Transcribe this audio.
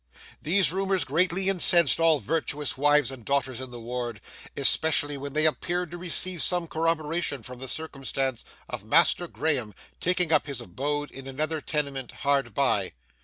These rumours greatly incensed all virtuous wives and daughters in the ward, especially when they appeared to receive some corroboration from the circumstance of Master Graham taking up his abode in another tenement hard by.